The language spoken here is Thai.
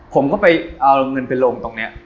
ผมไปเอาเงินไปลงตรงเนี่ย